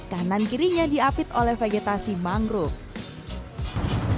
kanan kirinya diapit oleh vegetasi mangrove